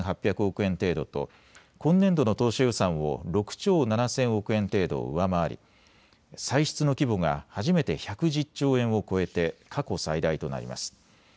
円程度と今年度の当初予算を６兆７０００億円程度、上回り歳出の規模が初めて１１０兆円を超えて過去最大となります。